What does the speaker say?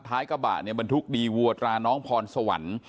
ท้ายกระบะมันทุกดีวัวตราน้องพรสวรรค์